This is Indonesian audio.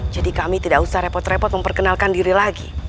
jadi kami tidak usah repot repot memperkenalkan diri lagi